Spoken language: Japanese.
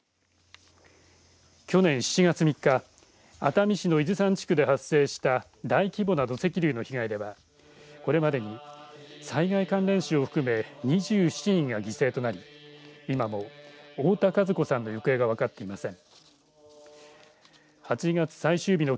去年７月３日熱海市の伊豆山地区で発生した大規模な土石流の被害ではこれまでに災害関連死を含め２７人が犠牲となり今も太田和子さんの行方が分かっていません。